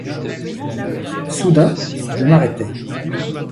Soudain je m’arrêtai.